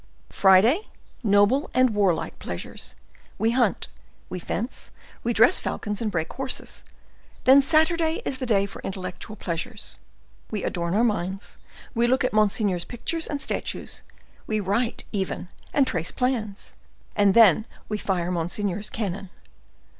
"Friday, noble and warlike pleasures. We hunt, we fence, we dress falcons and break horses. Then, Saturday is the day for intellectual pleasures: we adorn our minds; we look at monseigneur's pictures and statues; we write, even, and trace plans: and then we fire monseigneur's cannon."